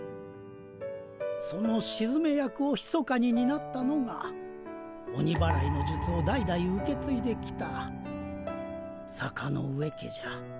そのしずめ役をひそかにになったのが鬼祓いのじゅつを代々受けついできた坂ノ上家じゃ。